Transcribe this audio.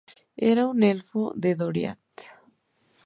Era un elfo de Doriath.